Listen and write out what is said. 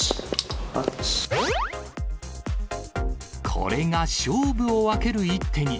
これが勝負を分ける一手に。